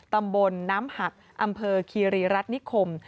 ตำบลน้ำหักอำเภอคีรีรัฐนิคม